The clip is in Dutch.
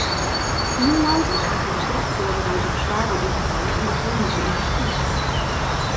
Ierland is eigenlijk slecht voorbereid op zware ongevallen in de chemische industrie.